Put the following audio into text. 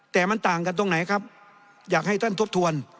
แต่มันต่างกันตรงไหนครับอยากให้ท่านทบทวน